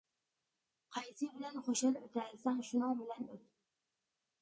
قايسى بىلەن خۇشال ئۆتەلىسەڭ شۇنىڭ بىلەن ئۆت.